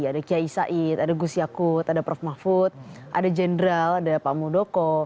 ada kiai said ada gus yakut ada prof mahfud ada jenderal ada pak muldoko